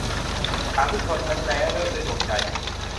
สาธุชนนั้นแล้ เลิศด้วยดวงใจ